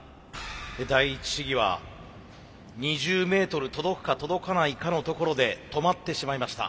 第一試技は２０メートル届くか届かないかのところで止まってしまいました。